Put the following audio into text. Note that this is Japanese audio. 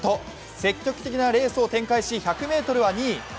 積極的なレースを展開し１００ｍは２位。